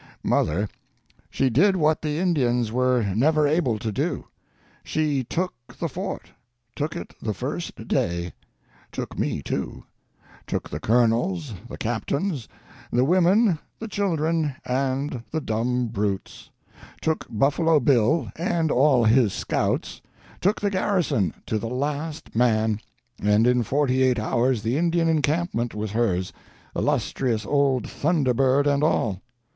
Mother, she did what the Indians were never able to do. She took the Fort—took it the first day! Took me, too; took the colonels, the captains, the women, the children, and the dumb brutes; took Buffalo Bill, and all his scouts; took the garrison—to the last man; and in forty eight hours the Indian encampment was hers, illustrious old Thunder Bird and all.